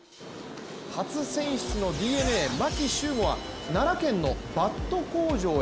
初選出のＤｅＮＡ・牧秀悟は奈良県のバット工場へ。